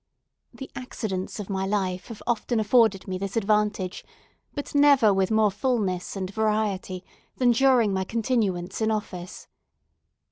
The accidents of my life have often afforded me this advantage, but never with more fulness and variety than during my continuance in office.